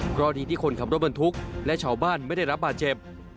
เพราะดีที่คนขับรถบรรทุกและชาวบ้านไม่ได้รับบาดเจ็บ